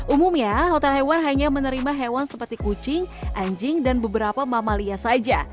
umumnya hotel hewan hanya menerima hewan seperti kucing anjing dan beberapa mamalia saja